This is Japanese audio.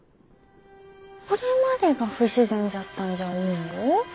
これまでが不自然じゃったんじゃ思うよ。